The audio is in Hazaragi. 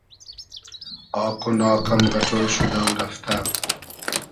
آق و ناق ام غئݖۉل شودۂ و رئفتۂ